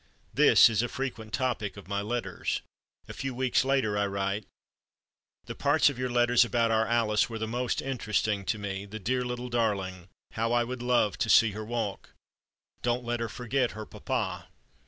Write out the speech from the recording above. This is a frequent topic of my letters. A few weeks later I write: "The parts of your letters about our Alice were the most interesting to me. The dear little darling, how I would love to see her walk. Don't let her forget her papa."